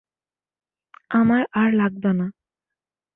আমার আর লাগবে না!